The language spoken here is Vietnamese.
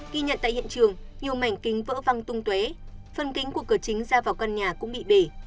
ghi nhận tại hiện trường nhiều mảnh kính vỡ văng tung tuế phân kính của cửa chính ra vào căn nhà cũng bị bể